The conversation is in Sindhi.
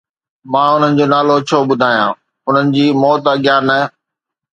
مان انهن جو نالو ڇو ٻڌايان، انهن جي موت اڳيان نه؟